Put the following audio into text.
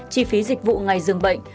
chi phí dịch vụ ngày dường bệnh